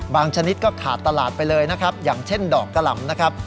ชนิดก็ขาดตลาดไปเลยนะครับอย่างเช่นดอกกะหล่ำนะครับ